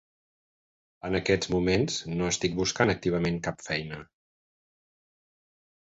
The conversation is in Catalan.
En aquests moments, no estic buscant activament cap feina.